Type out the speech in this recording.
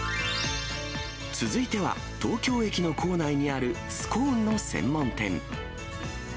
続いては、東京駅の構内にあるスコーンの専門店。